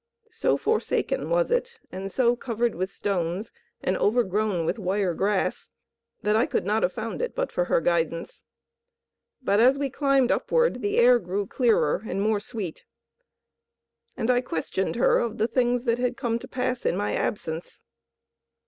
So forsaken was it and so covered with stones and overgrown with wire grass that I could not have found it but for her guidance. But as we climbed upward the air grew clearer, and more sweet, and I questioned her of the things that had come to pass in my absence.